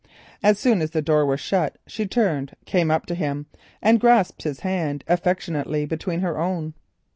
As soon as the door was shut, she turned, came up to him, and grasped his hand affectionately between her own.